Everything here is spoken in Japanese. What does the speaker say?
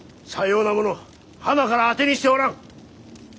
さようなものはなから当てにしておらん。